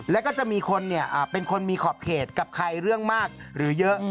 แล้วก็จะมีคนเป็นคนมีขอบเขตกับใครเรื่องมากหรือเยอะ